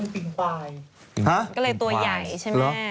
พี่บอกว่าไม่ใช่ปริงสายพันธุ์ใหม่ว่าเป็นปริงควาย